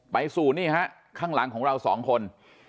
ไปสู่นี่ฮะข้างหลังของเราสองคน